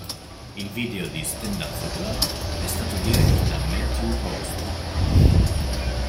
Il video di "Stand Up for Love" è stato diretto da Matthew Rolston.